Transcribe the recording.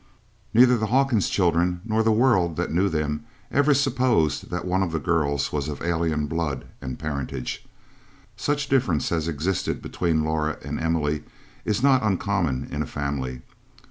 Neither the Hawkins children nor the world that knew them ever supposed that one of the girls was of alien blood and parentage: Such difference as existed between Laura and Emily is not uncommon in a family.